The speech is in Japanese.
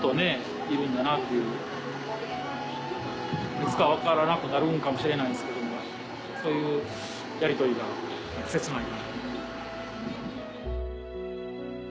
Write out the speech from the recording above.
いつか分からなくなるんかもしれないですけどもそういうやりとりが切ない。